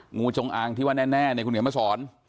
งูจงอางที่ว่าแน่เนี่ยคุณเขียนมาสอน